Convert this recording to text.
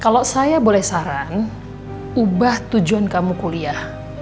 kalau saya boleh saran ubah tujuan kamu kuliah